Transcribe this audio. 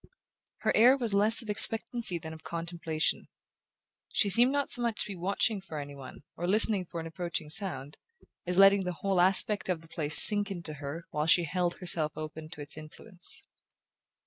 Her air was less of expectancy than of contemplation: she seemed not so much to be watching for any one, or listening for an approaching sound, as letting the whole aspect of the place sink into her while she held herself open to its influence.